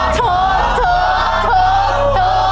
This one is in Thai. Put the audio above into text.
ถูก